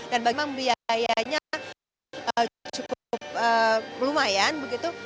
dan memang biayanya cukup lumayan begitu